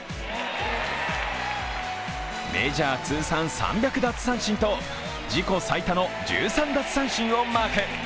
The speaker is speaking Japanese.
メジャー通算３００奪三振と、自己最多の１３奪三振をマーク。